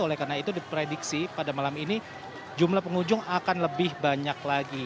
oleh karena itu diprediksi pada malam ini jumlah pengunjung akan lebih banyak lagi